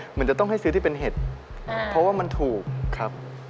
เหมือนจะต้องให้ซื้อที่เป็นเห็ดเพราะว่ามันถูกครับ